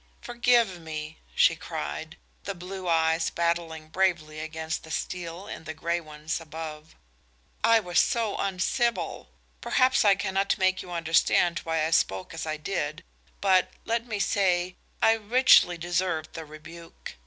"Forgive me," she cried, the blue eyes battling bravely against the steel in the grey ones above. "I was so uncivil! Perhaps I cannot make you understand why I spoke as I did, but, let me say, I richly deserved the rebuke.